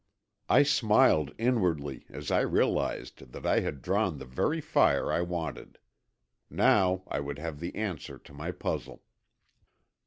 I smiled inwardly as I realized that I had drawn the very fire I wanted. Now I would have the answer to my puzzle.